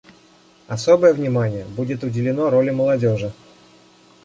Особое внимание будет уделено роли молодежи.